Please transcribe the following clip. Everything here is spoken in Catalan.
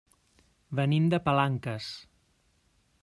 Venim de Palanques.